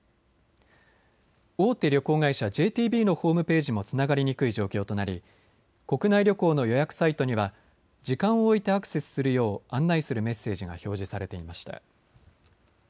大手旅行会社、ＪＴＢのホームページもつながりにくい状況となり国内旅行の予約サイトには時間を置いてアクセスするよう案内するメッセージが表示されていました。